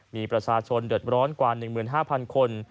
มีประชาชนเดือดร้อนกว่า๑๕๐๐คน